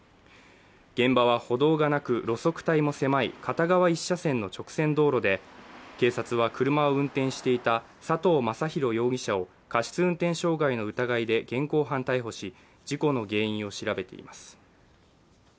現場は歩道がなく路側帯も狭い片側一車線の直線道路で警察は車を運転していた佐藤正裕容疑者を過失運転傷害の疑いで現行犯逮捕し、事故の原因を調べています。